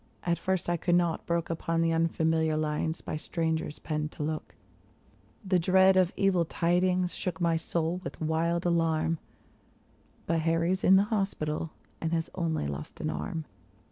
At first I could not brook Upon the unfamiliar lines by strangers penned, to look ; The dread of evil tidings shook my soul with wild alarm — But Harry's in the hospital, and has only lost an arm.